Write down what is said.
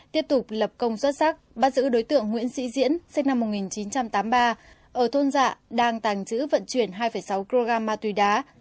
tiếp tục lập công xuất sắc bắt giữ đối tượng nguyễn sĩ diễn sinh năm một nghìn chín trăm tám mươi ba ở thôn dạ đang tàng trữ vận chuyển hai sáu kg ma túy đá